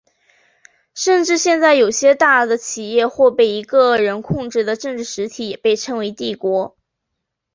甚至现在有些大的企业或被一个人控制的政治实体也被称为帝国。